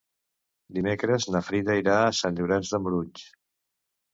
Dimecres na Frida irà a Sant Llorenç de Morunys.